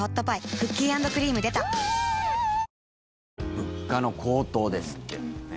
物価の高騰ですって。